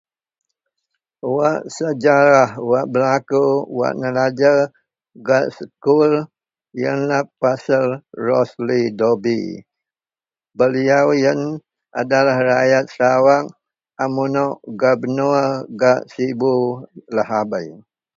Wak sejarah wak belaku wak nelajer gak sekul iyenlah pasel Rosli Dobi beliyau iyen adalah rakyat Sarawak a munok gabnor gak sibu lahabei.